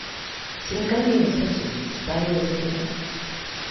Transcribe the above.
新加入の選手に期待を寄せています